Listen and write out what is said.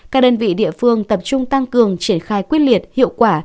các đơn vị địa phương tập trung tăng cường triển khai quyết liệt hiệu quả